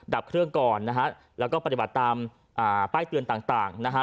ดับเครื่องก่อนนะฮะแล้วก็ปฏิบัติตามอ่าป้ายเตือนต่างนะฮะ